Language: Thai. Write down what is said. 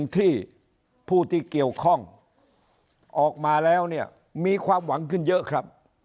ที่ผู้ที่เกี่ยวข้องออกมาแล้วเนี่ยมีความหวังขึ้นเยอะครับ